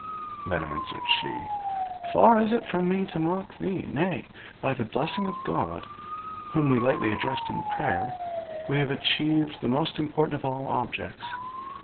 Then answered she: 'Far is it from me to mock thee; nay, by the blessing of God, whom we lately addressed in prayer, we have achieved the most important of all objects.